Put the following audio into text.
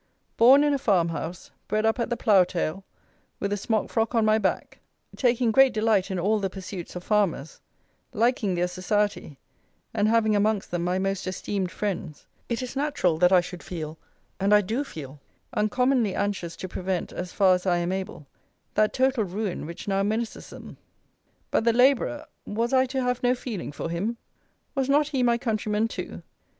Born in a farm house, bred up at the plough tail, with a smock frock on my back, taking great delight in all the pursuits of farmers, liking their society, and having amongst them my most esteemed friends, it is natural, that I should feel, and I do feel, uncommonly anxious to prevent, as far as I am able, that total ruin which now menaces them. But the labourer, was I to have no feeling for him? Was not he my countryman too?